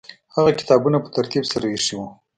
هغه کتابونه په ترتیب سره ایښي وو.